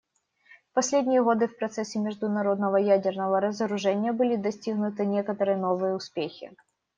В последние годы в процессе международного ядерного разоружения были достигнуты некоторые новые успехи.